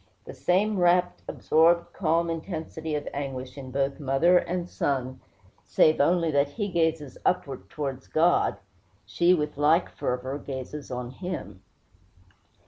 The same rapt, absorbed, calm intensity of anguish in both mother and son, save only that while he gazes upward towards God, she, with like fervor, gazes on him.